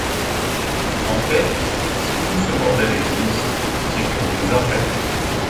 En fait, si tout ce bordel existe, c’est pour vous enfermer.